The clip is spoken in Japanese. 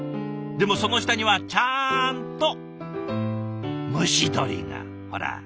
でもその下にはちゃんと蒸し鶏がほら。